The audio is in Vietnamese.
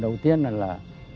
đầu tiên là